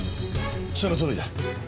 そのとおりだ。